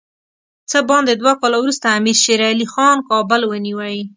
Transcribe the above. څه باندې دوه کاله وروسته امیر شېر علي خان کابل ونیوی.